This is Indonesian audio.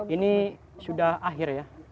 ini sudah akhir ya